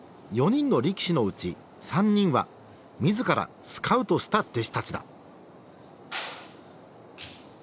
４人の力士のうち３人は自らスカウトした弟子たちだ。